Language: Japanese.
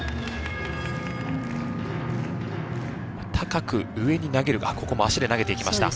高く上に投げるここも足で投げていきました。